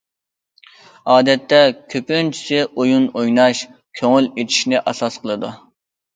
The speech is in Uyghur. ئادەتتە كۆپىنچىسى ئويۇن ئويناش، كۆڭۈل ئېچىشنى ئاساس قىلىدۇ.